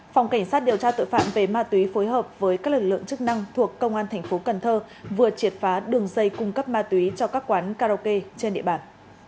phòng cảnh sát điều tra tội phạm về ma túy phối hợp với các lực lượng chức năng thuộc công an thành phố cần thơ vừa triệt phá đường dây cung cấp ma túy cho các quán karaoke trên địa bàn